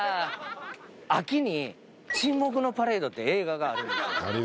秋に『沈黙のパレード』って映画があるんですよ。